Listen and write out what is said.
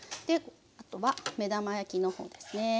あとは目玉焼きの方ですね。